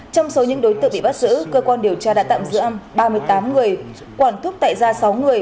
trong số những đối tượng bị bắt giữ cơ quan điều tra đã tạm giữ ba mươi tám người quản thúc tại ra sáu người